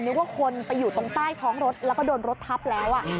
นึกว่าคนไปอยู่ตรงใต้ท้องรถแล้วก็โดนรถทับแล้ว